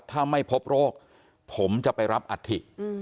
ถ้าไม่พบโรคผมจะไปรับอัฐิ